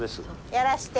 やらして。